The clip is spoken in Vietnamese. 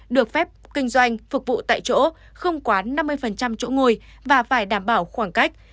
được phép kinh doanh phục vụ tại chỗ không quá năm mươi chỗ ngồi và phải đảm bảo khoảng cách